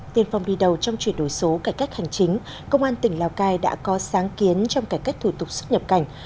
tiên phong đi đầu trong chuyển đổi số cải cách hành chính công an tỉnh lào cai đã có sáng kiến trong cải cách thủ tục xuất nhập cảnh